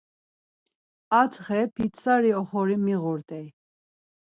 Atxe pitsari oxori miğurt̆ey.